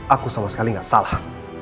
aku sama sekali gak salah